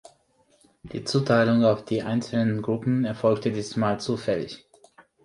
Die Zuteilung auf die einzelnen Gruppen erfolgte diesmal zufällig.